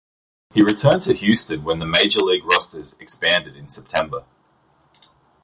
He returned to Houston when the major league rosters expanded in September.